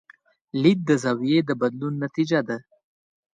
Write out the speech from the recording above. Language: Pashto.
لید د زاویې د بدلون نتیجه ده.